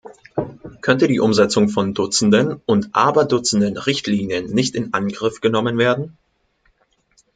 Könnte die Umsetzung von Dutzenden und Aberdutzenden Richtlinien nicht in Angriff genommen werden?